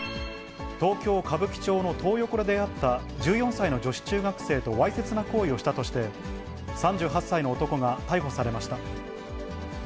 東京・歌舞伎町のトー横で出会った１４歳の女子中学生とわいせつな行為をしたとして、３８歳の男が逮捕されました。